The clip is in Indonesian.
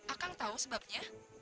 akan tahu sebabnya